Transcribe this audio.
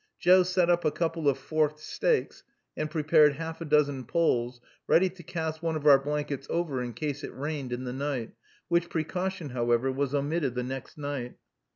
Joe set up a couple of forked stakes, and prepared half a dozen poles, ready to cast one of our blankets over in case it rained in the night, which precaution, however, was omitted the next night.